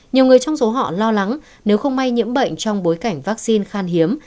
nhiều người trong số họ lo lắng nếu không may nhiễm bệnh trong bối cảnh vaccine khan hiếm